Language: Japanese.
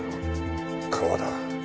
川だ。